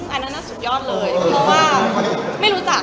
อันนั้นน่ะสุดยอดเลยเพราะว่าไม่รู้จัก